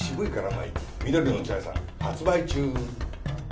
緑のお茶屋さん発売中。